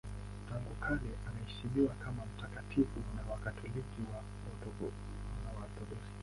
Tangu kale anaheshimiwa kama mtakatifu na Wakatoliki na Waorthodoksi.